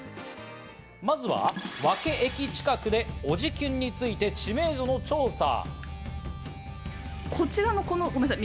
まずは和気駅近くでおじキュン！について知名度を調査。